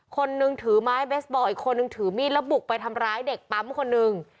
คนนึงถือไม้เบสบอลอีกคนนึงถือมีดแล้วบุกไปทำร้ายเด็กปั๊มคนหนึ่ง